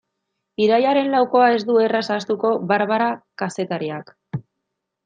Irailaren laukoa ez du erraz ahaztuko Barbara kazetariak.